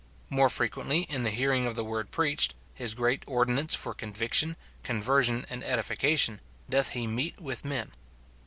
More frequently in the hearing of the word preached, his great ordinance for conviction, conversion, and edification, doth he meet with men.